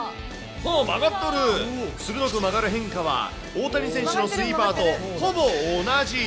ほぉ、曲がっとる鋭く曲がる変化は、大谷選手のスイーパーとほぼ同じ。